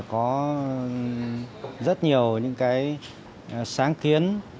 có rất nhiều những cái sáng kiến